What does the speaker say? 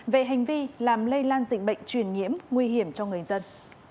về hành vi làm lây lan dịch bệnh truyền nhiễm nguy hiểm cho người dân